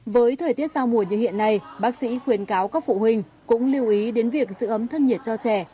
với thời tiết giao mùa như hiện nay bác sĩ khuyên cáo các phụ huynh cũng lưu ý đến việc giữ ấm thân nhiệt cho trẻ